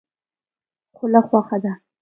خوله خوښه ده.